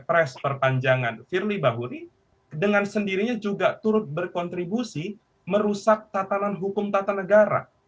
pres perpanjangan firly bahuri dengan sendirinya juga turut berkontribusi merusak tatanan hukum tata negara